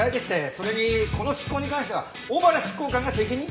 それにこの執行に関しては小原執行官が責任者。